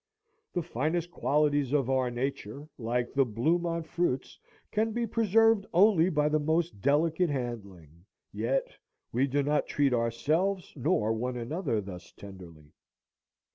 The finest qualities of our nature, like the bloom on fruits, can be preserved only by the most delicate handling. Yet we do not treat ourselves nor one another thus tenderly.